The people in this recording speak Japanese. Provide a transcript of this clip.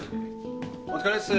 お疲れっす。